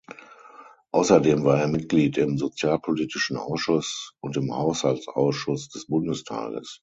Außerdem war er Mitglied im sozialpolitischen Ausschuss und im Haushaltsausschuss des Bundestages.